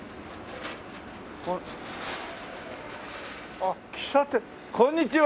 あっ喫茶店こんにちは。